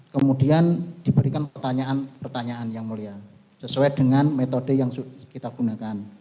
kemudian diberikan pertanyaan pertanyaan yang mulia sesuai dengan metode yang kita gunakan